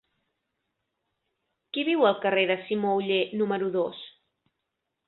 Qui viu al carrer de Simó Oller número dos?